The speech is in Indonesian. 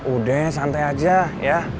udah santai aja ya